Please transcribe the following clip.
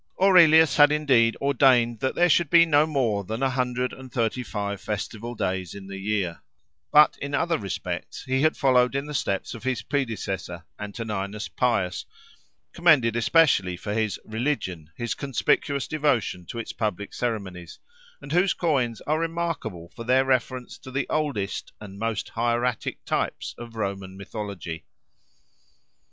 Aurelius had, indeed, ordained that there should be no more than a hundred and thirty five festival days in the year; but in other respects he had followed in the steps of his predecessor, Antoninus Pius—commended especially for his "religion," his conspicuous devotion to its public ceremonies—and whose coins are remarkable for their reference to the oldest and most hieratic types of Roman mythology.